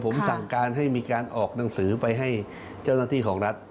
ผมสั่งการให้มีการออกหนังสือไปให้เจ้าหน้าที่ของรัฐ